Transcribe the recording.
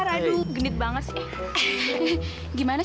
aku tak mau